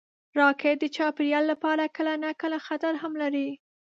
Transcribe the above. راکټ د چاپېریال لپاره کله ناکله خطر هم لري